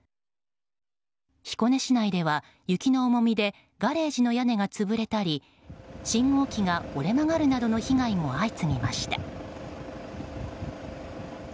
彦根市内では雪の重みでガレージの屋根が潰れたり信号機が折れ曲がるなどの被害も相次ぎました。